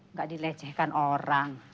nggak dilecehkan orang